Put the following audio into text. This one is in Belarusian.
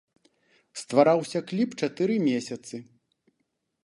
Ствараўся кліп чатыры месяцы.